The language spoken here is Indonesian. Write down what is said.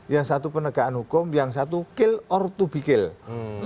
yang satu penegakan hukum yang satu kill ore to be kill